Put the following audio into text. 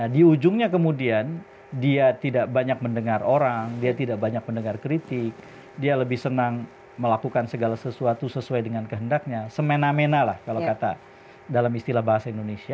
di ujungnya kemudian dia tidak banyak mendengar orang dia tidak banyak mendengar kritik dia lebih senang melakukan segala sesuatu sesuai dengan kehendaknya semena mena lah kalau kata dalam istilah bahasa indonesia